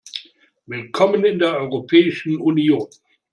Willkommen in der Europäischen Union!